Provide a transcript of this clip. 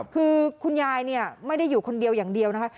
คือคุณยายเนี่ยไม่ได้อยู่คนเดียวอย่างเดียวนะคะ